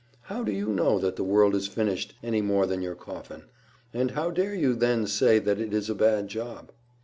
How do you know that the world is finished anymore than your coffin? And how dare you then say that it is a bad job?"